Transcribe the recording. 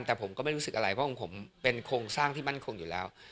แต่ผมก็ไม่รู้สึกอะไรเพราะของผมเป็นโครงสร้างที่มั่นคงอยู่แล้ว